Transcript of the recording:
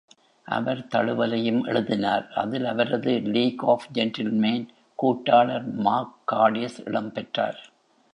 அவர் தழுவலையும் எழுதினார், அதில் அவரது "லீக் ஆஃப் ஜென்டில்மேன்" கூட்டாளர் மார்க் காடிஸ் இடம்பெற்றார்.